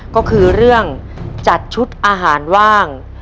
ก็คือเรื่องจัดชุดอาหารว่าง